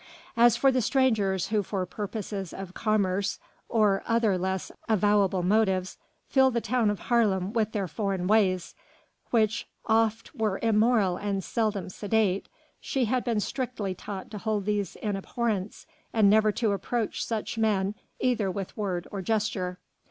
As for the strangers who for purposes of commerce or other less avowable motives filled the town of Haarlem with their foreign ways which oft were immoral and seldom sedate she had been strictly taught to hold these in abhorrence and never to approach such men either with word or gesture.